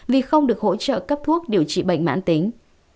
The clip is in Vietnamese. vì không được hỗ trợ cấp thuốc điều trị bệnh mãn tính